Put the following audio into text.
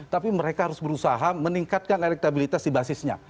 tapi mereka harus berusaha meningkatkan elektabilitas di basisnya